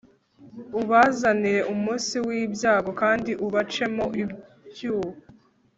ubazanire umunsi w ibyago kandi ubacemo ibyuho